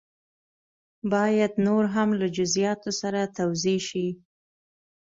باید نور هم له جزیاتو سره توضیح شي.